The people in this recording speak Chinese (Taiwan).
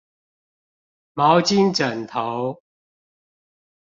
毛巾枕頭